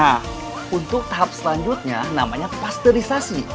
nah untuk tahap selanjutnya namanya pasterisasi